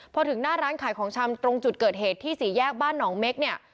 พอถึงหน้าร้านขายของชำตรงจุดเกิดเหตุที่สี่แยกบ้านหนองเม็กเนี่ย